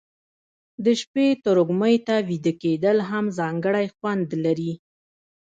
د شپې تروږمي ته ویده کېدل هم ځانګړی خوند لري.